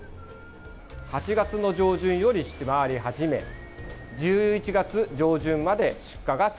８月の上旬より出回り始め１１月上旬まで出荷が続きます。